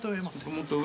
もっと上。